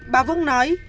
bà vững nói